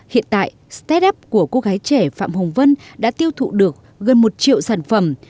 hiện tại start up của cô gái trẻ phạm hồng vân đã tiêu thụ được gần một triệu sản phẩm